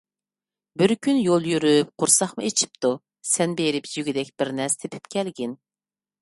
بىر كۈن يول يۈرۈپ قورساقمۇ ئېچىپتۇ. سەن بېرىپ يېگۈدەك بىرنەرسە تېپىپ كەلگىن.